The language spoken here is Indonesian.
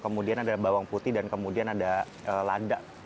kemudian ada bawang putih dan kemudian ada lada